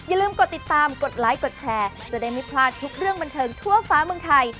อย่าลืมกดติดตามกดไลค์กดแชร์จะได้ไม่พลาดทุกเรื่องบันเทิงทั่วฟ้าเมืองไทย